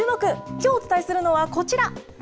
きょうお伝えするのはこちら。